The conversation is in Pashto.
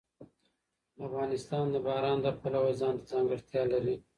افغانستان د باران د پلوه ځانته ځانګړتیا لري.